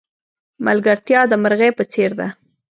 ملگرتیا د مرغی په څېر ده.